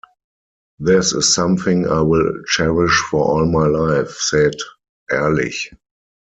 "This is something I will cherish for all of my life," said Erlich.